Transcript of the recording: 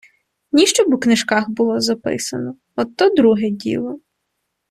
Ні, щоб у книжках було записано, от то друге діло...